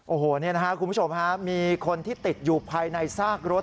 โอ้โหคุณผู้ชมมีคนที่ติดอยู่ภายในซากรถ